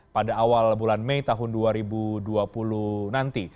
pada awal bulan mei tahun dua ribu dua puluh nanti